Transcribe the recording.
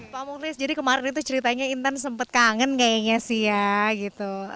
pak muklis jadi kemarin itu ceritanya intan sempat kangen kayaknya sih ya gitu